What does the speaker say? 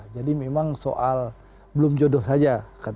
jadi memang soal belum jodoh saja